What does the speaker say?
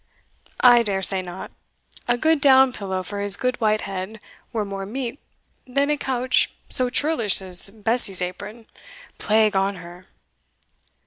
"I dare say not A good down pillow for his good white head were more meet than a couch so churlish as Bessy's apron, plague on her!"